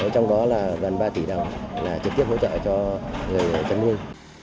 trong đó là gần ba tỷ đồng là trực tiếp hỗ trợ cho người chăn nuôi